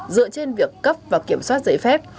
dựa trên việc cấp và kiểm soát giấy phép